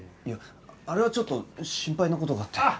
いやあれはちょっと心配な事があって。